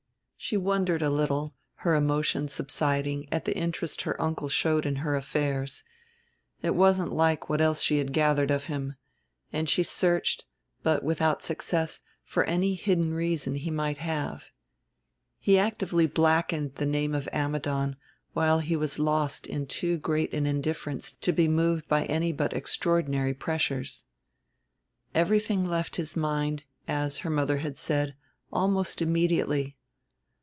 She wondered a little, her emotion subsiding, at the interest her uncle showed in her affairs. It wasn't like what else she had gathered of him; and she searched, but without success, for any hidden reason he might have. He actively blackened the name of Ammidon while he was lost in too great an indifference to be moved by any but extraordinary pressures. Everything left his mind, as her mother had said, almost immediately.